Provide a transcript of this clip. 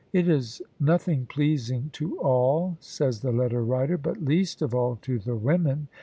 It is nothing pleasing to all," says the letter writer, "but least of all to the women."